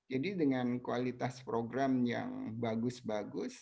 jadi dengan kualitas program yang bagus bagus